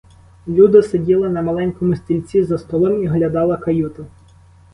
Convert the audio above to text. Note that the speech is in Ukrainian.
Люда сиділа на маленькому стільці за столом і оглядала каюту.